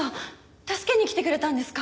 助けに来てくれたんですか？